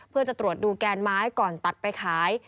เพื่อจะตรวจดูแกนไม้ก่อนตัดไปขาย